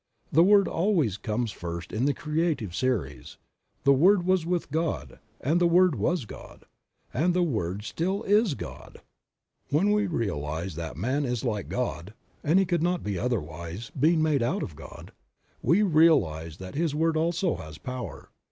The Word always comes first in the creative series; "The Word was with God and the Word was God" and the Word still is God. 4 Creative Mind. When we realize that man is like God (and he could not be otherwise, being made out of God), we will realize that his word also has power.